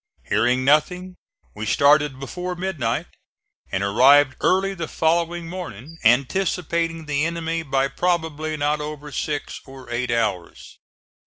Hearing nothing, we started before midnight and arrived early the following morning, anticipating the enemy by probably not over six or eight hours.